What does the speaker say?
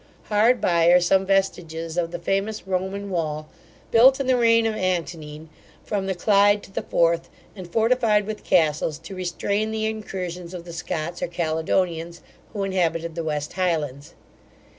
Hard by are some vestiges of the famous Roman wall, built in the reign of Antonine, from the Clyde to the Forth, and fortified with castles, to restrain the incursions of the Scots or Caledonians, who inhabited the West Highlands.